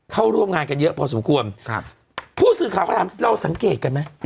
เข้าร่วมงานกันเยอะพอสมควรผู้สื่อข่าวข้างล่างเรารู้สังเกตไหม